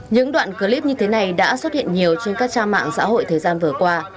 những đoạn clip như thế này đã xuất hiện nhiều trên các trang mạng xã hội thời gian vừa qua